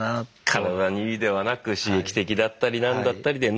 体にいいではなく刺激的だったりなんだったりで脳は喜ぶ。